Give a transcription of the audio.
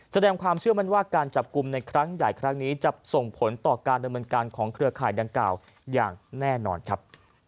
แสดงความเชื่อมั่นว่าการจับกลุ่มในครั้งใหญ่ครั้งนี้จะส่งผลต่อการดำเนินการของเครือข่ายดังกล่าวอย่างแน่นอนครับ